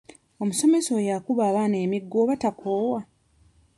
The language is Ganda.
Omusomesa oyo akuba abaana emiggo oba takoowa?